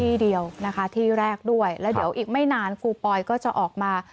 ที่เดียวนะคะที่แรกด้วยแล้วเดี๋ยวอีกไม่นานครูปอยก็จะออกมา